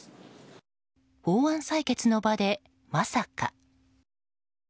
法案採決の場でまさか。